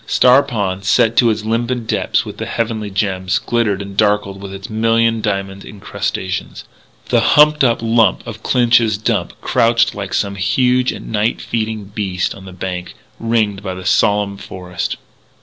Star Pond, set to its limpid depths with the heavenly gems, glittered and darkled with its million diamond incrustations. The humped up lump of Clinch's Dump crouched like some huge and feeding night beast on the bank, ringed by the solemn forest.